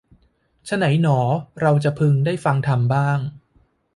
ไฉนหนอเราจะพึงได้ฟังธรรมบ้าง